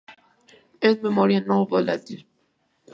Es memoria no volátil.